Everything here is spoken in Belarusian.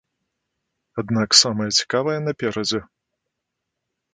Аднак самае цікавае наперадзе.